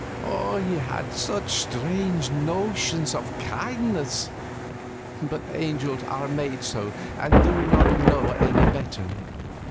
He had such strange notions of kindness! But angels are made so, and do not know any better.